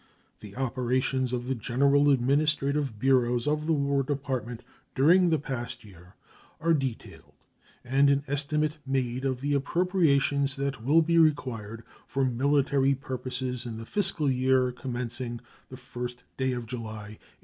The operations of the general administrative bureaus of the War Department during the past year are detailed and an estimate made of the appropriations that will be required for military purposes in the fiscal year commencing the 1st day of July, 1866.